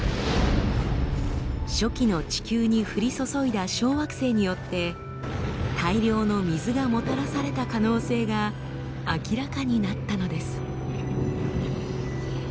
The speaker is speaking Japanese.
初期の地球に降り注いだ小惑星によって大量の水がもたらされた可能性が明らかになったのです。